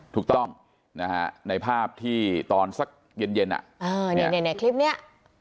ถูกต้องนะฮะในภาพที่ตอนสักเย็นเย็นอ่ะอ่าในในในคลิปเนี้ย